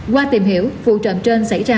qua tìm hiểu vụ trộm trên xảy ra